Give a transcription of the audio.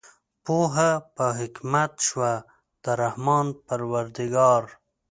پوهه په حکمت شوه د رحمان پروردګار